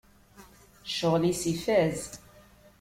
Ccɣel-is ifaz!